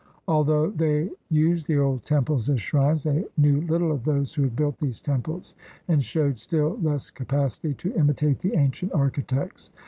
Although they used the old temples as shrines, they knew little of those who had built these temples and showed still less capacity to imitate the ancient architects.